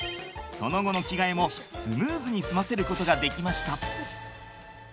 その後の着替えもスムーズに済ませることができました。